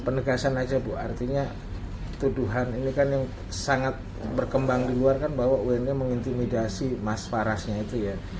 penegasan aja bu artinya tuduhan ini kan yang sangat berkembang di luar kan bahwa um nya mengintimidasi mas farasnya itu ya